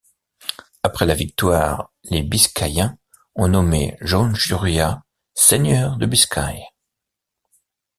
Après la victoire, les Biscayens ont nommé Jaun Zuria Seigneur de Biscaye.